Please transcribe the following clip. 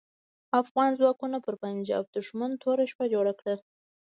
افغان ځواکونو پر پنجاپي دوښمن توره شپه جوړه کړه.